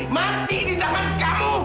mati di tangan kamu